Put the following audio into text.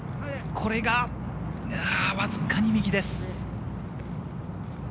これがわずかに右です。